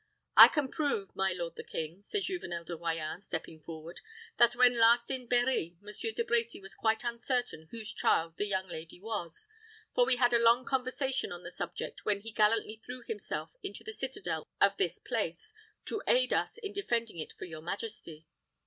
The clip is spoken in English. "I can prove, my lord the king," said Juvenel de Royans, stepping forward, "that when last in Berri, Monsieur De Brecy was quite uncertain whose child the young lady was; for we had a long conversation on the subject when he gallantly threw himself into the citadel of this place, to aid us in defending it for your majesty."